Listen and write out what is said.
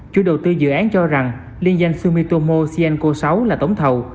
chủ đầu tư dự án cho rằng liên danh sumitomo sienco sáu là tổng thầu